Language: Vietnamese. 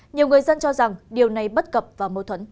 nhiều người dân cho rằng điều này bất cập và mâu thuẫn